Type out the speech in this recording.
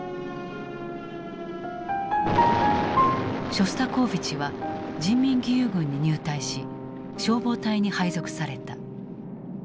ショスタコーヴィチは人民義勇軍に入隊し消防隊に配属された。